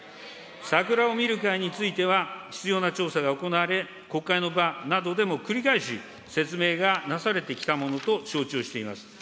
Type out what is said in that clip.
桜を見る会については、必要な調査が行われ、国会の場などでも繰り返し説明がなされてきたものと承知をしています。